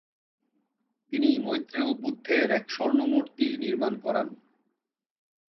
তিনি মৈত্রেয় বুদ্ধের এক স্বর্ণমূর্তি নির্মাণ করান।